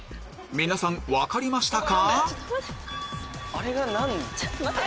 皆さん分かりましたか？